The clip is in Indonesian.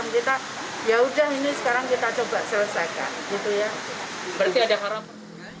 kita yaudah ini sekarang kita coba selesaikan